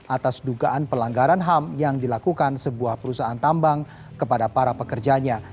atas dugaan pelanggaran ham yang dilakukan sebuah perusahaan tambang kepada para pekerjanya